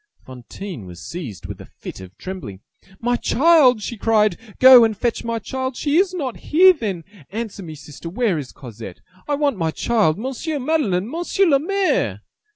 Fantine was seized with a fit of trembling. "My child!" she cried, "to go and fetch my child! She is not here, then! Answer me, sister; where is Cosette? I want my child! Monsieur Madeleine! Monsieur le Maire!"